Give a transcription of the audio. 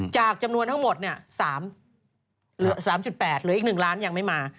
จำนวนทั้งหมด๓๘หรืออีก๑ล้านยังไม่มา